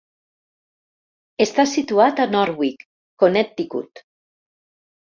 Està situat a Norwich, Connecticut.